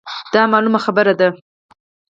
دا مـعـلومـه خـبـره ده.